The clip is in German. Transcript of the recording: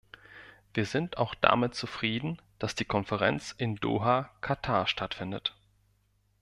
Wir sind auch damit zufrieden, dass die Konferenz in Doha, Katar stattfindet.